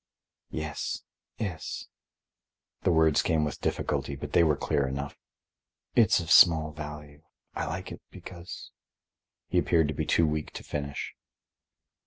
"Yes, yes." The words came with difficulty, but they were clear enough. "It's of small value. I like it because—" He appeared to be too weak to finish.